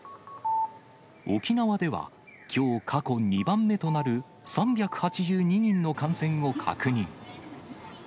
沖縄では、きょう過去２番目となる３８２人の感染を確認。